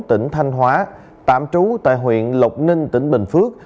tỉnh thanh hóa tạm trú tại huyện lộc ninh tỉnh bình phước